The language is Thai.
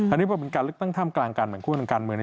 อันนี้พอเป็นการเลือกตั้งท่ามกลางการแบ่งคั่วทางการเมือง